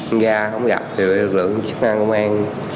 em ra không gặp được lực lượng chức năng công an